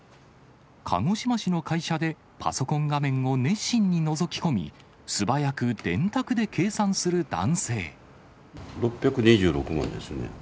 鹿児島市の会社で、パソコン画面を熱心にのぞき込み、６２６万ですね。